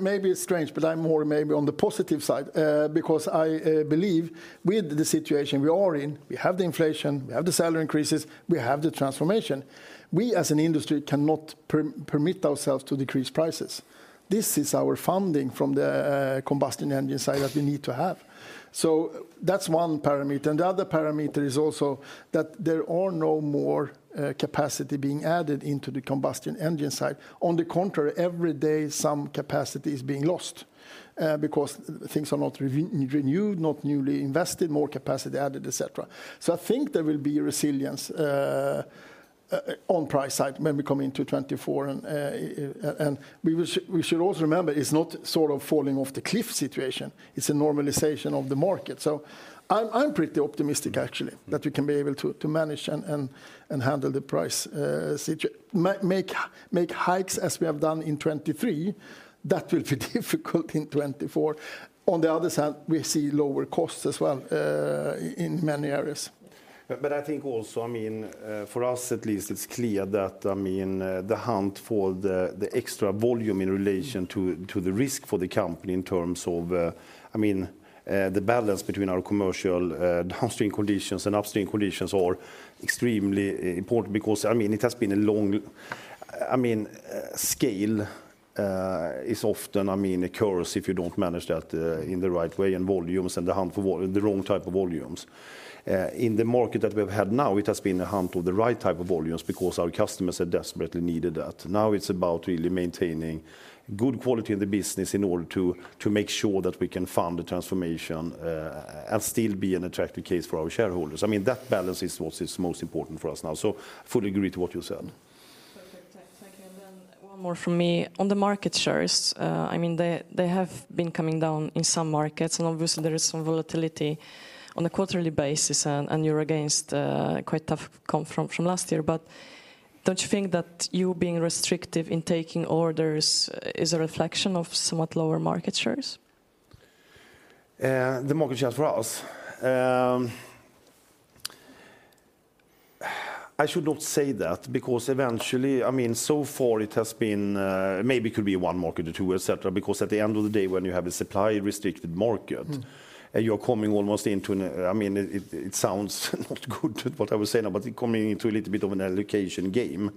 Maybe it's strange, but I'm more maybe on the positive side, because I believe with the situation we are in, we have the inflation, we have the salary increases, we have the transformation. We, as an industry, cannot permit ourselves to decrease prices. This is our funding from the combustion engine side that we need to have. So that's one parameter, and the other parameter is also that there are no more capacity being added into the combustion engine side. On the contrary, every day, some capacity is being lost, because things are not renewed, not newly invested, more capacity added, et cetera. So I think there will be resilience on price side when we come into 2024. We should also remember, it's not sort of falling off the cliff situation, it's a normalization of the market. So I'm pretty optimistic, actually, that we can be able to manage and handle the price hikes as we have done in 2023, that will be difficult in 2024. On the other side, we see lower costs as well, in many areas. But I think also, I mean, for us at least, it's clear that, I mean, the hunt for the extra volume in relation to the risk for the company in terms of, I mean, the balance between our commercial downstream conditions and upstream conditions are extremely important. Because, I mean, it has been a long... I mean, scale is often, I mean, a curse if you don't manage that in the right way, and volumes, and the hunt for the wrong type of volumes. In the market that we've had now, it has been a hunt of the right type of volumes because our customers have desperately needed that. Now, it's about really maintaining good quality in the business in order to make sure that we can fund the transformation, and still be an attractive case for our shareholders. I mean, that balance is what is most important for us now, so fully agree to what you said. Perfect. Thank you. And then one more from me. On the market shares, I mean, they have been coming down in some markets, and obviously there is some volatility on a quarterly basis, and you're against quite tough comp from last year. But don't you think that you being restrictive in taking orders is a reflection of somewhat lower market shares? The market shares for us, I should not say that, because eventually, I mean, so far it has been... Maybe it could be one market or two, et cetera, because at the end of the day, when you have a supply-restricted market you're coming almost into an, I mean, it sounds not good, what I was saying, but coming into a little bit of an allocation game.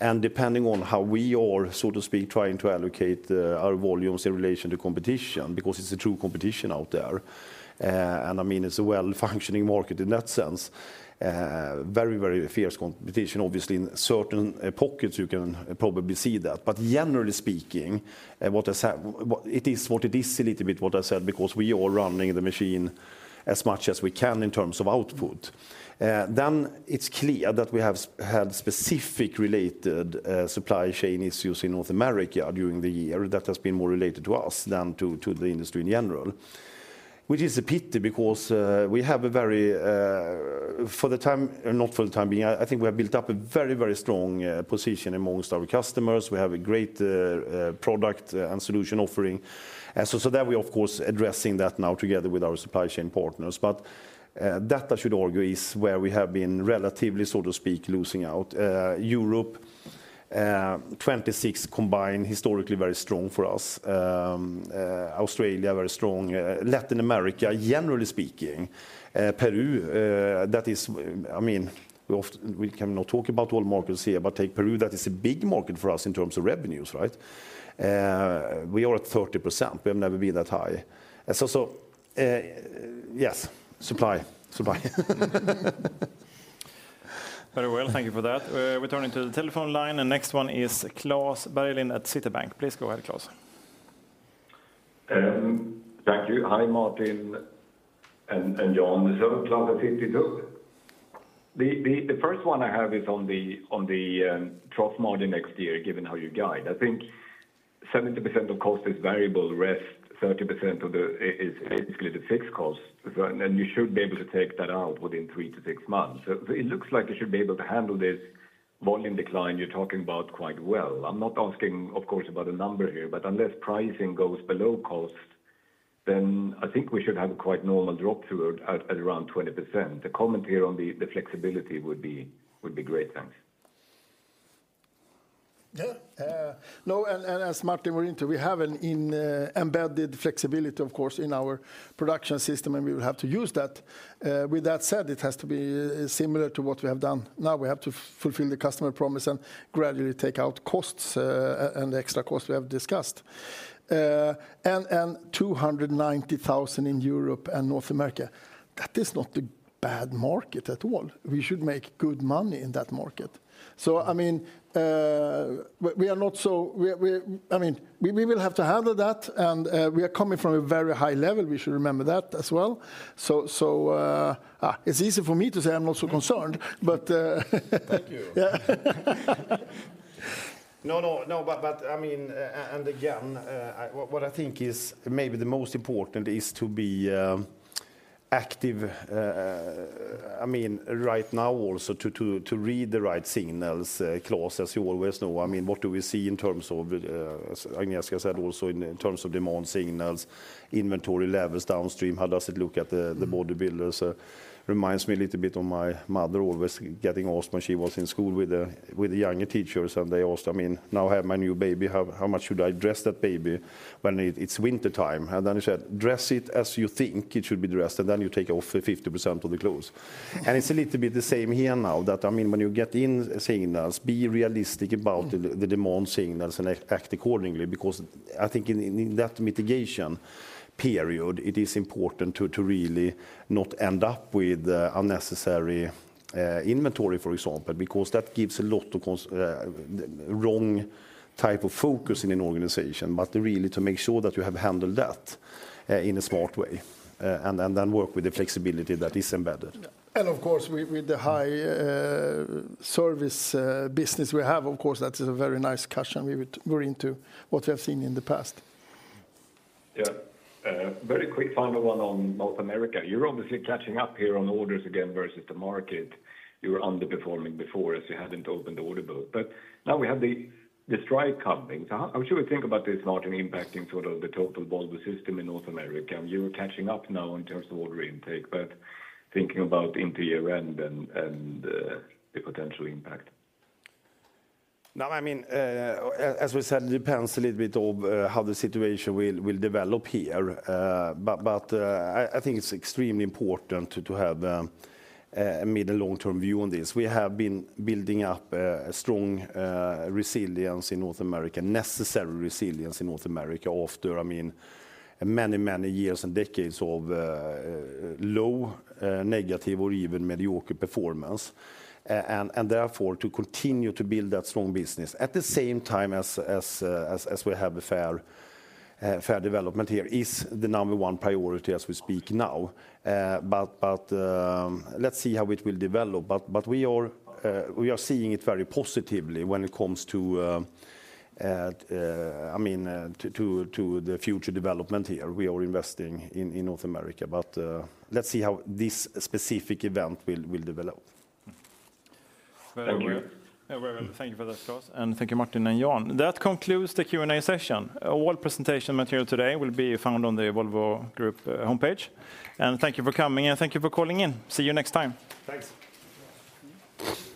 And depending on how we are, so to speak, trying to allocate our volumes in relation to competition, because it's a true competition out there, and I mean, it's a well-functioning market in that sense. Very, very fierce competition, obviously, in certain pockets you can probably see that. But generally speaking, what I said, it is what it is a little bit, what I said, because we are running the machine as much as we can in terms of output. Then it's clear that we have had specific related supply chain issues in North America during the year. That has been more related to us than to the industry in general, which is a pity, because we have a very, for the time, not for the time being, I think we have built up a very, very strong position amongst our customers. We have a great product and solution offering. So, so that we, of course, addressing that now together with our supply chain partners. But that, I should argue, is where we have been relatively, so to speak, losing out. Europe, 26 combined, historically very strong for us. Australia, very strong. Latin America, generally speaking, Peru, that is, I mean, we cannot talk about all markets here, but take Peru, that is a big market for us in terms of revenues, right? We are at 30%, we have never been that high. And so, yes, supply, supply. Very well. Thank you for that. We're turning to the telephone line, and next one is Klas Bergelind at Citibank. Please go ahead, Klas. Thank you. Hi, Martin and Jan. So, Klas at Citibank. The first one I have is on the trough model next year, given how you guide. I think 70% of cost is variable, the rest, 30% is basically the fixed cost, and then you should be able to take that out within three to six months. So it looks like you should be able to handle this volume decline you're talking about quite well. I'm not asking, of course, about a number here, but unless pricing goes below cost, then I think we should have a quite normal drop through at around 20%. A comment here on the flexibility would be great. Thanks. Yeah, no, and as Martin went into, we have an embedded flexibility, of course, in our production system, and we will have to use that. With that said, it has to be similar to what we have done. Now, we have to fulfill the customer promise and gradually take out costs, and the extra costs we have discussed. And 290,000 in Europe and North America, that is not a bad market at all. We should make good money in that market. So I mean, we are not so... We, I mean, we will have to handle that, and we are coming from a very high level, we should remember that as well. So it's easy for me to say I'm not so concerned, but. Thank you. Yeah. No, no, no, but, but I mean, and again, what I think is maybe the most important is to be active, I mean, right now also to read the right signals, Klas, as you always know. I mean, what do we see in terms of, as Agnieszka said, also in terms of demand signals, inventory levels downstream, how does it look at the bodybuilders? Reminds me a little bit of my mother always getting asked when she was in school with the younger teachers, and they asked, I mean, now I have my new baby, how much should I dress that baby when it's wintertime? And then she said, "Dress it as you think it should be dressed, and then you take off 50% of the clothes." It's a little bit the same here now, that, I mean, when you get in signals, be realistic about the demand signals and act accordingly. Because I think in that mitigation period, it is important to really not end up with unnecessary inventory, for example, because that gives a lot of wrong type of focus in an organization. But really, to make sure that you have handled that in a smart way, and then work with the flexibility that is embedded. Of course, with the high service business we have, of course, that is a very nice cushion we would go into what we have seen in the past. Yeah. Very quick final one on North America. You're obviously catching up here on orders again versus the market. You were underperforming before, as you hadn't opened the order book. But now we have the strike coming. So how should we think about this Martin impacting sort of the total Volvo system in North America? You were catching up now in terms of order intake, but thinking about into year-end and the potential impact. Now, I mean, as we said, it depends a little bit of how the situation will develop here. But I think it's extremely important to have a mid- and long-term view on this. We have been building up a strong resilience in North America, necessary resilience in North America, after, I mean, many, many years and decades of low negative or even mediocre performance. And therefore, to continue to build that strong business. At the same time as we have a fair development here, is the number one priority as we speak now. But let's see how it will develop. But we are seeing it very positively when it comes to, I mean, to the future development here. We are investing in North America, but let's see how this specific event will develop. Thank you. Very well. Thank you for that, Klas, and thank you, Martin and Jan. That concludes the Q&A session. All presentation material today will be found on the Volvo Group homepage. Thank you for coming, and thank you for calling in. See you next time. Thanks!